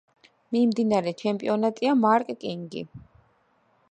მიმდინარე ჩემპიონატია მარკ კინგი.